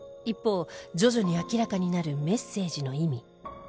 一方徐々に明らかになるメッセージの意味